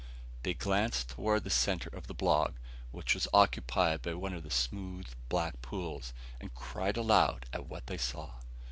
They glanced toward the center of the bog, which was occupied by one of the smooth black pools, and cried aloud at what they saw.